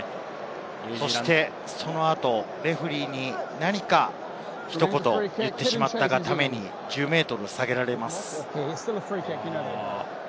そしてその後、レフェリーに何か、ひと言、言ってしまったがためになるほど。